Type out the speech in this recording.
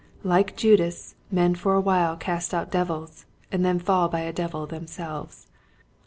Like Judas men for a while cast out devils and then fall by a devil themselves.